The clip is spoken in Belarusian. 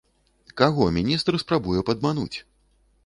Каго міністр спрабуе падмануць?